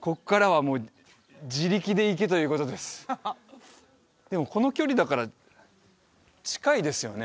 こっからはもう自力で行けということですでもこの距離だから近いですよね